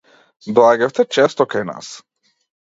Доаѓавте често кај нас.